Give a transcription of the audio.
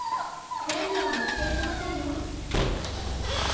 全部は持っていけませんよ。